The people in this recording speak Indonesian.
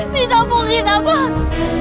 dia tidak mungkin buta abang